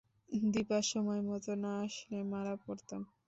দিপা সময়মতো না আসলে মারা পড়তাম।